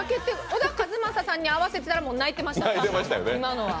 小田和正さんに合わせてたら泣いてました、今のは。